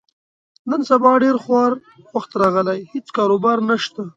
نن سبا ډېر خوار وخت راغلی، هېڅ کاروبار نشته.